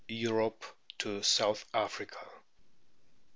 Europe to South Africa.